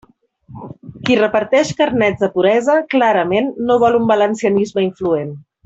Qui reparteix carnets de puresa, clarament, no vol un valencianisme influent.